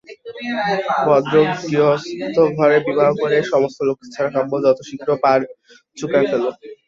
ভদ্র গৃহস্থঘরে বিবাহ করিয়া এই-সমস্ত লক্ষ্মীছাড়া কাব্য যত শীঘ্র পার চুকাইয়া ফেলো।